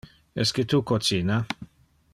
Esque tu cocina?